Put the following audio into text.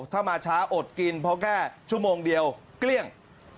ถ้ามาช้าอดกินเพราะแค่ชั่วโมงเดียวเกลี้ยง